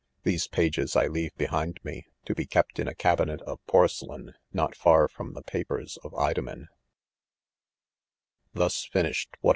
These pages I leave behind me, to be kept in a cabinet of Porcelain, not far from the papers of Idomen* Thus finished what